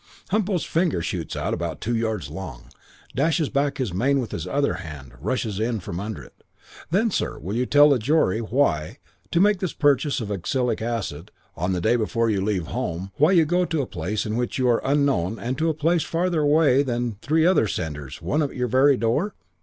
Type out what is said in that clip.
"Humpo's finger shoots out about two yards long; dashes back his mane with his other hand; rushes in from under it. 'Then, sir, will you tell the jury why, to make this purchase of oxalic acid on the day before you leave home, why you go to a place in which you are unknown and to a place farther away from you than three other centres, one at your very door?'